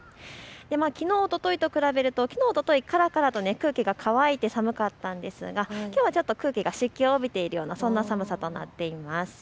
きのうおとといと比べるとからからと空気が乾いて寒かったんですがきょうは空気が湿気を帯びていてそんな寒さとなっています。